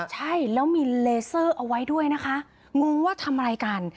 ใช่แล้วมีเลเซอร์เอาไว้ด้วยนะคะงงว่าทำอะไรกัน